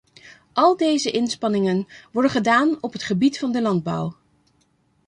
Al deze inspanningen worden gedaan op het gebied van de landbouw.